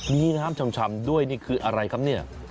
มีน้ำชำด้วยนี่คืออะไรครับเนี่ย